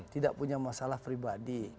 tidak punya masalah pribadi